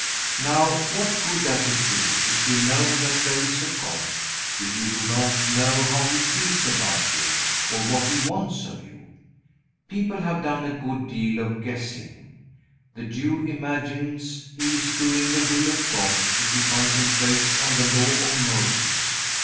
Now, what good does it do you if you know that there is a God, if you do not know how He feels about you, or what He wants of you? People have done a good deal of guessing. The Jew imagines he is doing the will of God if he concentrates on the Law of Moses.